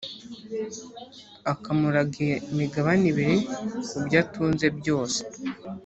akamuraga imigabane ibiri ku byo atunze byose: